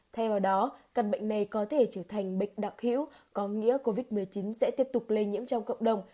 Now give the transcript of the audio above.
thay vào đó căn bệnh này có thể trở thành bệnh đặc hữu có nghĩa covid một mươi chín sẽ tiếp tục lây nhiễm trong cộng đồng